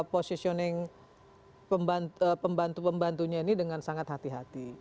positioning pembantu pembantunya ini dengan sangat hati hati